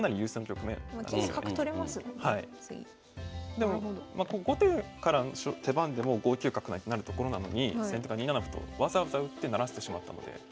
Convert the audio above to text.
でも後手からの手番でも５九角成となるところなのに先手が２七歩とわざわざ打って成らせてしまったので。